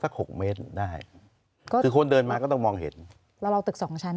หกเมตรได้ก็คือคนเดินมาก็ต้องมองเห็นแล้วเราตึกสองชั้น